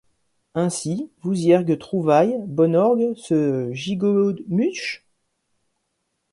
Ainsi : Vouziergue trouvaille bonorgue ce gigotmuche ?